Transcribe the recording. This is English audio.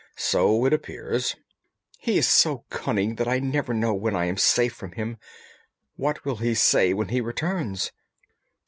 "So it appears." "He is so cunning that I never know when I am safe from him. What will he say when he returns?"